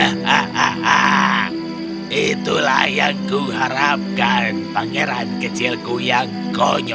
hahaha itulah yang kuharapkan pangeran kecilku yang konyol